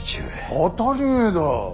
当たり前だ。